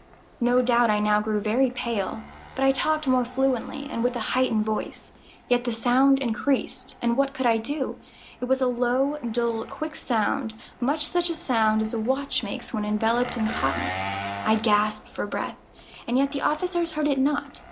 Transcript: No doubt I now grew very pale;—but I talked more fluently, and with a heightened voice. Yet the sound increased—and what could I do? It was a low, dull, quick sound—much such a sound as a watch makes when enveloped in cotton. I gasped for breath—and yet the officers heard it not.